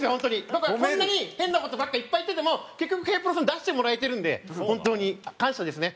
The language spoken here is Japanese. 僕がこんなに変な事ばっかいっぱい言ってても結局Ｋ−ＰＲＯさん出してもらえてるんで本当に感謝ですね。